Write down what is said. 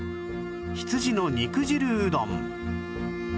羊の肉汁うどん